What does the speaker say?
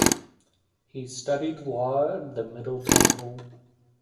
He studied law at the Middle Temple.